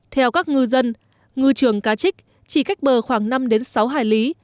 theo các ngư dân ngư trường cá trích chỉ cách bờ khoảng năm sáu hải lý